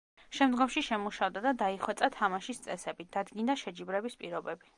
შემდგომში შემუშავდა და დაიხვეწა თამაშის წესები, დადგინდა შეჯიბრების პირობები.